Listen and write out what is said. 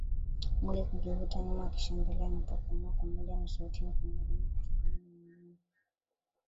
Mwili kujivuta nyuma kisha mbele anapopumua pamoja na sauti ya kunguruma kutokana na maumivu